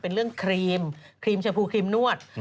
เป็นเรื่องครีมครีมชมพูครีมนวด